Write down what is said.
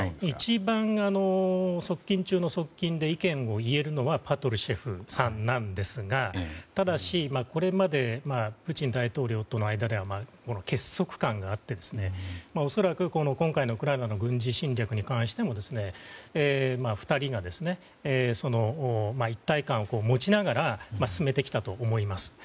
一番側近中の側近で意見を言えるのはパトルシェフさんなんですがただし、これまでプーチン大統領との間には結束感があって恐らく今回のウクライナの軍事侵略に関しては２人が一体感を持ちながら進めてきたと思います。